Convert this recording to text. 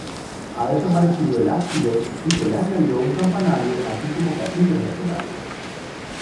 Ha desaparecido el ábside y se le añadió un campanario así como capillas laterales.